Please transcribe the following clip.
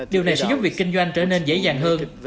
điều này sẽ giúp việc kinh doanh trở nên dễ dàng hơn